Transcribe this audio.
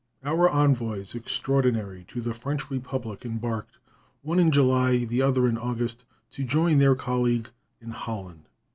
Our envoys extraordinary to the French Republic embarked one in July, the other in August to join their colleague in Holland.